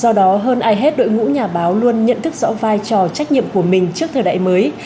do đó hơn ai hết đội ngũ nhà báo luôn nhận thức rõ vai trò trách nhiệm của mình trước thời đại mới